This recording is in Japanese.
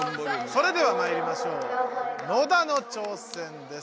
それではまいりましょう野田の挑戦です！